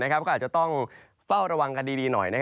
ก็อาจจะต้องเฝ้าระวังกันดีหน่อย